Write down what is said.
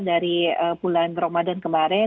dari bulan ramadan kemarin